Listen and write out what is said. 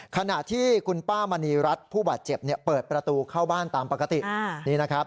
ขณะที่คุณป้ามณีรัฐผู้บาดเจ็บเปิดประตูเข้าบ้านตามปกตินี่นะครับ